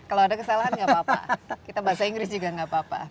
kalau ada kesalahan nggak apa apa kita bahasa inggris juga nggak apa apa